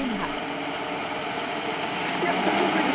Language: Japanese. やっと気付いた。